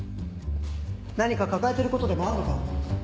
何か抱えてることでもあんのか？